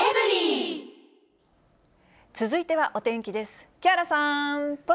続いてはお天気です。